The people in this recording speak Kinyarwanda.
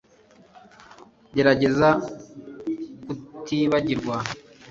gerageza kutibagirwa